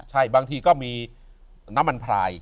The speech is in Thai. ใช่บางทีก็มีน้ำมันพลาย